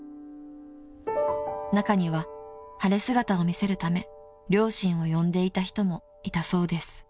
［中には晴れ姿を見せるため両親を呼んでいた人もいたそうです］